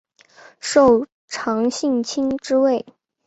受长信卿之位。